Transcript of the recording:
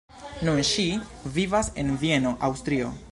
Nun ŝi vivas en Vieno, Aŭstrio.